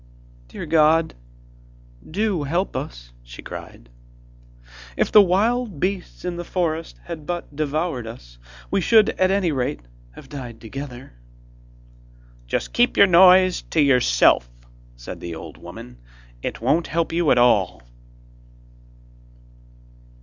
'Dear God, do help us,' she cried. 'If the wild beasts in the forest had but devoured us, we should at any rate have died together.' 'Just keep your noise to yourself,' said the old woman, 'it won't help you at all.